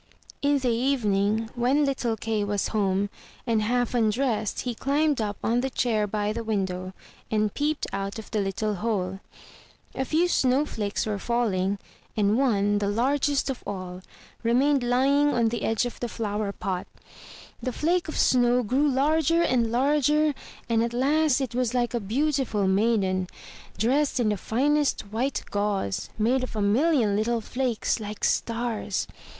In the evening, when little Kay was home, and half 304 THROUGH FAIRY HALLS undressed, he climbed up on the chair by the window, and peeped out of the Uttle hole. A few snow flakes were falling, and one, the largest of all, remained lying on the edge of the flower pot. The flake of snow grew larger and larger and at last it was like a beautiful maiden, dressed in the finest white gauze, made of a million little flakes, like stars.